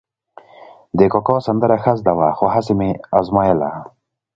د کاکا سندره ښه زده وه، خو هسې مې ازمایله.